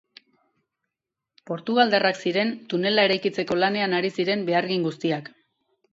Portugaldarrak ziren tunela eraikitzeko lanean ari ziren behargin guztiak.